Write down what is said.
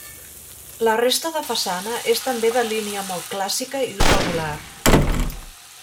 La resta de façana és també de línia molt clàssica i regular.